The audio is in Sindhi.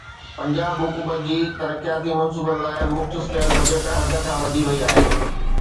پنجاب حڪومت جي ترقياتي منصوبن لاءِ مختص ڪيل بجيٽ حد کان وڌي وئي آهي